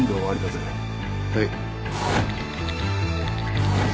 はい。